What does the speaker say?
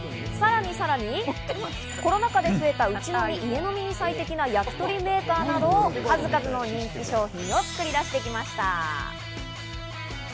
さらに、さらに、コロナ禍で増えた家飲みに最適な焼き鳥メーカーなど、数々の人気商品を作り出してきました。